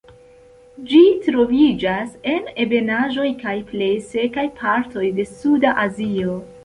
Ĝi troviĝas en ebenaĵoj kaj plej sekaj partoj de Suda Azio.